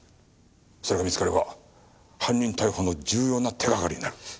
それが見つかれば犯人逮捕の重要な手掛かりになる。